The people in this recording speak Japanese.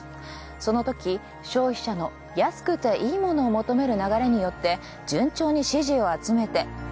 そのとき消費者の安くていいものを求める流れによって順調に支持を集めて。